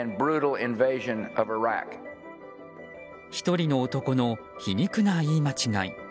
１人の男の皮肉な言い間違い。